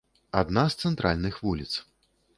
Адна з цэнтральных вуліц.